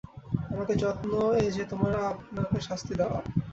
আমাকে যত্ন এ যে তোমার আপনাকে শাস্তি দেওয়া।